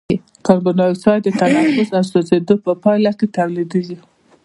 کاربن ډای اکساید د تنفس او سوځیدو په پایله کې تولیدیږي.